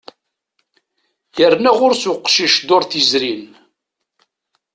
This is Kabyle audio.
Yerna ɣur-s uqcic ddurt yezrin.